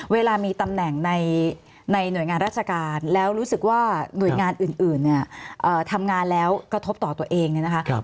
เวลามีตำแหน่งในหน่วยงานราชการแล้วรู้สึกว่าหน่วยงานอื่นเนี่ยทำงานแล้วกระทบต่อตัวเองเนี่ยนะคะ